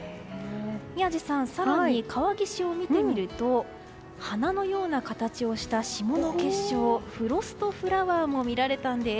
宮司さん、更に川岸を見てみると花のような形をした霜の結晶フロストフラワーも見られたんです。